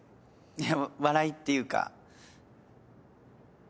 いや笑いっていうか。